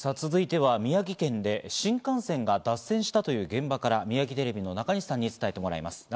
続いては宮城県で新幹線が脱線したという現場からミヤギテレビの中西さんに伝えてもらいます。